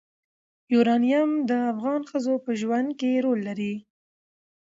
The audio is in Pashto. یورانیم د افغان ښځو په ژوند کې رول لري.